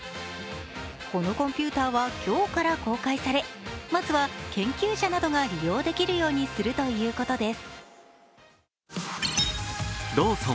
このコンピューターは今日から公開されまずは研究者などが利用できるようにするということです。